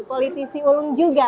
politisi ulung juga